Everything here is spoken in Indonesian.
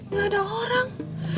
gak ada orang